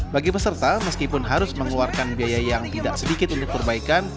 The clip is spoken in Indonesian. bagi peserta meskipun harus mengeluarkan biaya yang tidak sedikit untuk perbaikan